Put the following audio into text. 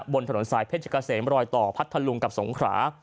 บนถนนสายเพชรเกษมรอยต่อพัทธลุงกับสงขรา